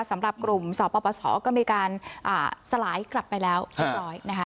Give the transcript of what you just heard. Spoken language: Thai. สำหรับกลุ่มสอบประสอบก็มีการสลายกลับไปแล้วทุกรอยนะคะ